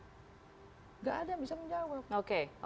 tidak ada yang bisa menjawab